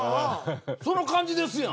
その感じですやん。